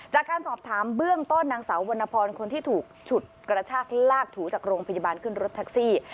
จงถูกฉุดกระชากลากถูกจากโรงพยาบาลขึ้นรถทักซี่